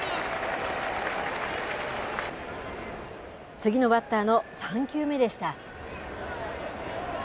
次のバッターの３球目でした。